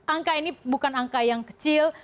angka ini bukan angka yang kecil